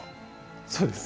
そうです。